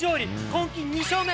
今季２勝目。